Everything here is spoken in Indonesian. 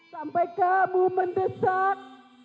sampai kamu mendesak